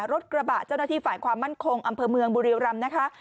รถกระบะเจ้าหน้าที่ฝ่ายความมั่นคงอำเภอเมืองบุรีรำนะคะ